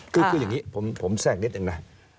คืออย่างนี้ผมแทรกนิดนึงนะ